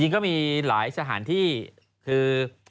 ก็มีหลายสถานที่คือ